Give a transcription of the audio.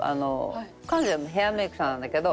彼女はヘアメイクさんなんだけど。